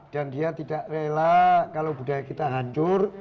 dan dia tidak rela kalau budaya kita hancur